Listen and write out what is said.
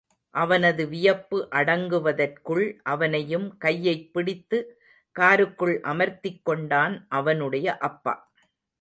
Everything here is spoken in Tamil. அவனது வியப்பு அடங்குவதற்குள், அவனையும் கையைப் பிடித்து காருக்குள் அமர்த்திக் கொண்டான் அவனுடைய அப்பா.